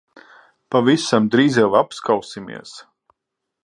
Pavisam drīz jau apskausimies.